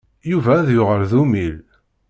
Yuba ad yuɣal d ummil.